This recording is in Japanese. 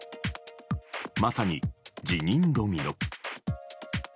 まさに、辞任ドミノ。